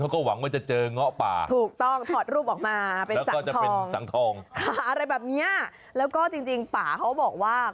เขาเจอไหมมาทดสอบต่าง